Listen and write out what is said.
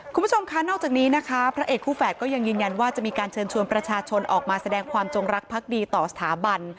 คุณผู้ชมค่ะนอกจากนี้นะคะพระเอกคู่แฝดก็ยังยืนยันว่าจะมีการเชิญชวนประชาชนออกมาแสดงความจงรักพักดีต่อสถาบัน